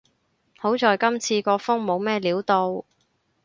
好在今次個風冇乜料到